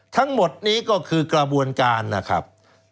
ทั้งหมดนี้ก็คือกระบวนการนะครับ